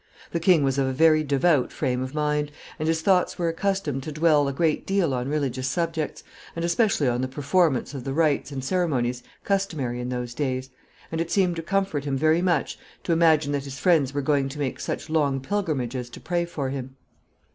The king was of a very devout frame of mind, and his thoughts were accustomed to dwell a great deal on religious subjects, and especially on the performance of the rites and ceremonies customary in those days, and it seemed to comfort him very much to imagine that his friends were going to make such long pilgrimages to pray for him.